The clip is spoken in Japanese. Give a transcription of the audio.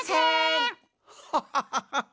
ハハハハハ！